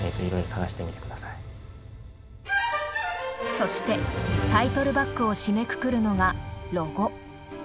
そしてタイトルバックを締めくくるのがロゴ。